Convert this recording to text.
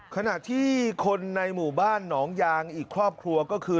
ขณะที่คนในหมู่บ้านหนองยางอีกครอบครัวก็คือ